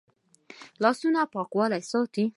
لاسونه پاکوالی ساتي